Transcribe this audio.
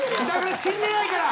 死んでないから！